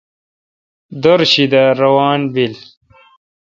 دِر شی دا روان بیل۔